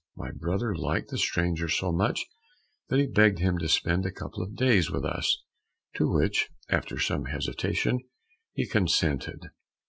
My brother liked the stranger so much that he begged him to spend a couple of days with us, to which, after some hesitation, he consented.